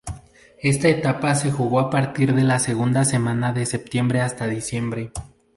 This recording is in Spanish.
Esta etapa se jugó a partir de la segunda semana de septiembre hasta diciembre.